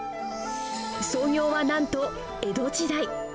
創業はなんと江戸時代。